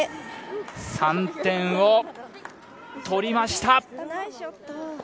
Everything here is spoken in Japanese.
３点を取りました。